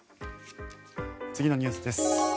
次のニュースです。